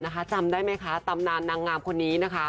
จำได้ไหมคะตำนานนางงามคนนี้นะคะ